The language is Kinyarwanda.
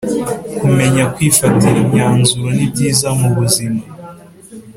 Kumenya kwifatira imyanzuro nibyiza mubuzima